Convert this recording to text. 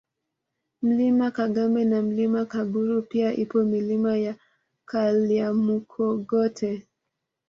Mlima Kagambe na Mlima Kaguru pia ipo Milima ya Kalyamukogote